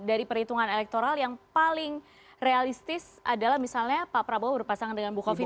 dan kemudian elektoral yang paling realistis adalah misalnya pak prabowo berpasangan dengan bu kofipa